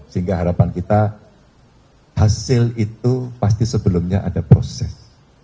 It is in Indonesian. sehingga harapan kita hasil itu pasti sebelumnya ada proses